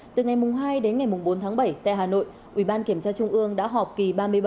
từ ngày hai đến ngày bốn tháng bảy tại hà nội ủy ban kiểm tra trung ương đã họp kỳ ba mươi bảy